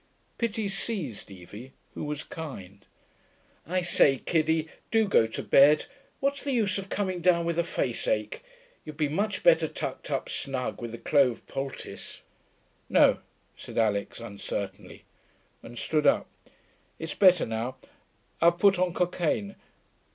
Pity seized Evie, who was kind. 'I say, kiddie, do go to bed. What's the use of coming down with a face ache? You'd be much better tucked up snug, with a clove poultice.' 'No,' said Alix, uncertainly, and stood up. 'It's better now. I've put on cocaine....